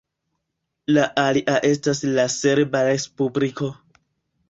La alia estas la Serba Respubliko.